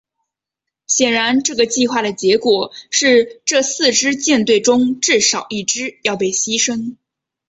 显然这个计划的结果是这四支舰队中至少一支要被牺牲。